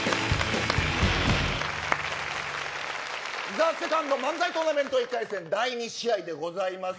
ＴＨＥＳＥＣＯＮＤ漫才トーナメント１回戦第２試合でございます。